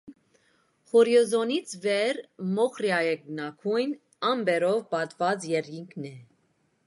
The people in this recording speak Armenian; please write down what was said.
Հորիզոնից վեր մոխրաերկնագույն, ամպերով պատված երկիքն է։